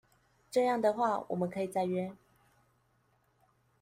這樣的話我們可以再約